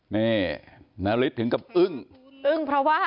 นี่ณฤษฎีถึงกับอึ้ง